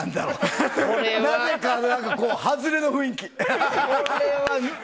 何か外れの雰囲気。